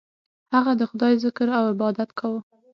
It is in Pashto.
هغه د خدای ذکر او عبادت کاوه.